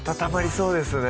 そうですね